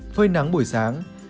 phơi nắng buổi sáng